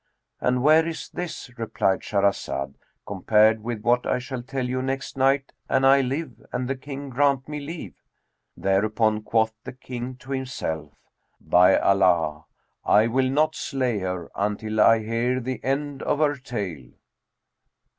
"And where is this," replied Shahrazad, "compared with what I shall tell you next night an I live and the King grant me leave!" Thereupon quoth the King to himself, "By Allah, I will not slay her until I hear the end of her tale."